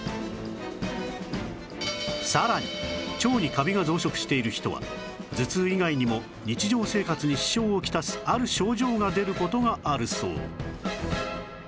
さらに腸にカビが増殖している人は頭痛以外にも日常生活に支障を来すある症状が出る事があるそう